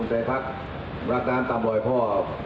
ใครละกลางขายพรอด